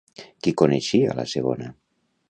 Qui coneixia la segona?